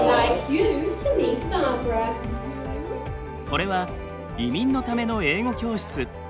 これは移民のための英語教室。